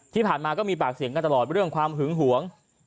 ที่ผ่านมาก็มีปากเสียงกันตลอดเรื่องความหึงหวง